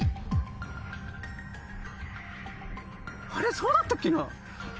そうだったっけな？